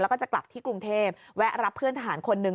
แล้วก็จะกลับที่กรุงเทพแวะรับเพื่อนทหารคนหนึ่ง